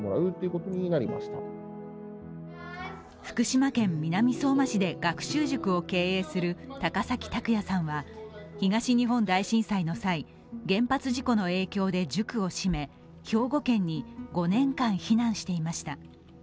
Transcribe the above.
福島県南相馬市で学習塾を経営する高崎拓也さんは東日本大震災の際、原発事故の影響で塾を閉め兵庫県に５年間、避難していました。